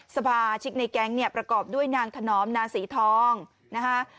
สมาชิกในแก๊งเนี่ยประกอบด้วยนางถนอมนาศรีทองนะคะ